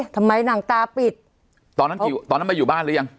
ทำไมหนังตาปิดตอนนั้นไม่อยู่บ้านหรือยัง